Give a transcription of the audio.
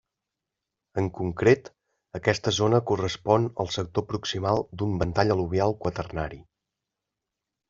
En concret, aquesta zona correspon al sector proximal d'un ventall al·luvial quaternari.